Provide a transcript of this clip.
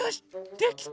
できた！